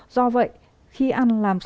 do vậy khi ăn làm sao